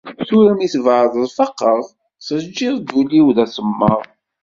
Tura mi tbeɛdeḍ feqqeɣ, teǧǧiḍ-d ul-iw d asemmaḍ.